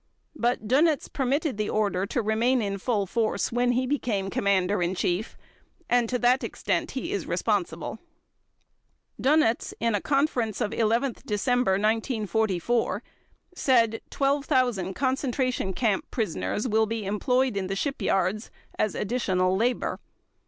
But Dönitz permitted the order to remain in full force when he became Commander in Chief, and to that extent he is responsible. Dönitz, in a conference of 11 December 1944, said "12,000 concentration camp prisoners will be employed in the shipyards as additional labor".